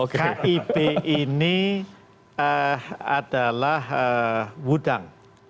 kib ini adalah wudang